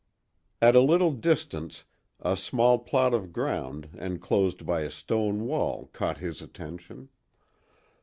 At a little distance a small plot of ground enclosed by a stone wall caught his attention.